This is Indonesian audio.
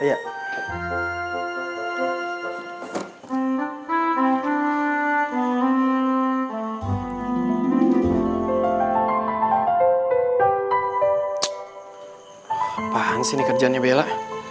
apaan sih ini kerjaannya bella